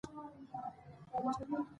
افغانستان د جواهرات په اړه علمي څېړنې لري.